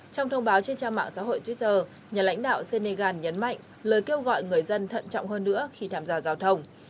trong thông báo trên trang mạng xã hội twitter nhà lãnh đạo senegal nhấn mạnh lời kêu gọi người dân thận trọng hơn nữa khi tham gia giao thông